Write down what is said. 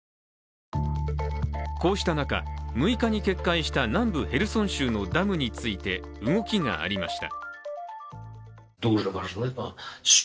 こうした中、６日に決壊した南部ヘルソン州のダムについて動きがありました。